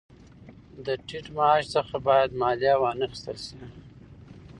د ټیټ معاش څخه باید مالیه وانخیستل شي